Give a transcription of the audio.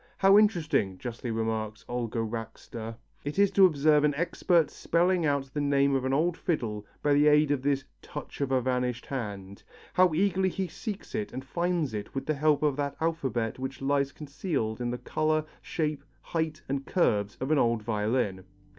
"How interesting," justly remarks Olga Racster, "it is to observe an expert spelling out the name of an old fiddle by the aid of this 'touch of a vanished hand.' How eagerly he seeks it and finds it with the help of that alphabet which lies concealed in the colour, shape, height and curves of an old violin."